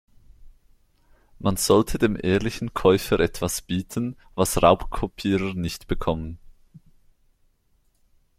Man sollte dem ehrlichen Käufer etwas bieten, was Raubkopierer nicht bekommen.